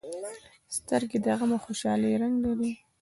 سترګې د غم او خوشالۍ رنګ لري